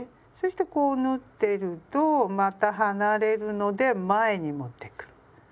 そしてこう縫ってるとまた離れるので前に持ってくる。